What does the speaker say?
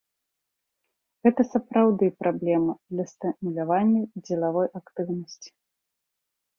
Гэта сапраўды праблема для стымулявання дзелавой актыўнасці.